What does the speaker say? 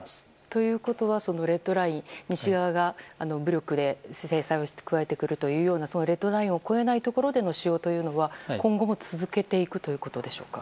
ということはレッドライン西側が武力で制裁を強めていくというようなレッドラインを超えないところでの使用というのは続けていくということでしょうか？